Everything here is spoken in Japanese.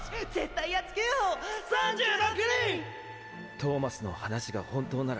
トーマスの話が本当なら。